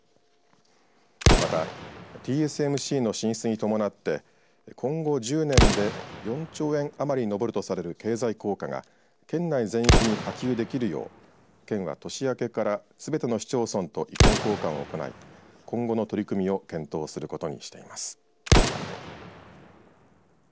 またＴＳＭＣの進出に伴って今後１０年で４兆円余り上るとされる経済効果が県内全域に波及できるよう県は年明けから、すべての市町村と意見交換を行い今後の取り組みを検討することにしています。